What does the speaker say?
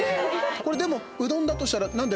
でも、うどんだとしたらなんで？